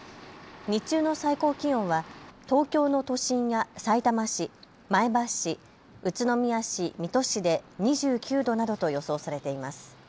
日中の最高気温は東京の都心やさいたま市、前橋市、宇都宮市、水戸市で２９度などと予想されています。